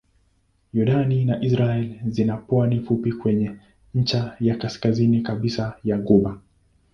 Yordani na Israel zina pwani fupi kwenye ncha ya kaskazini kabisa ya ghuba.